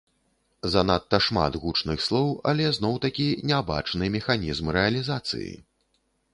Занадта шмат гучных слоў, але зноў-такі не бачны механізм рэалізацыі.